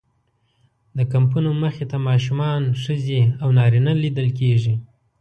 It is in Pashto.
د کمپونو مخې ته ماشومان، ښځې او نارینه لیدل کېږي.